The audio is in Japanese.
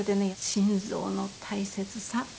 心臓の大切さ